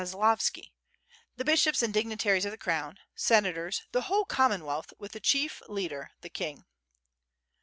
slavski, the bishops and dignitaries of the Crown — sena tors— the whole Commonwealth with the chief leader, the King.